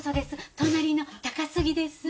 隣の高杉です。